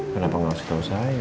kenapa gak usah tau saya